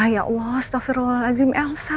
pak ya allah astagfirullahaladzim elsa pak